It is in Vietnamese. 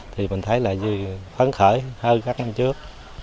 thì mình thấy là phấn khởi hơn các năm trước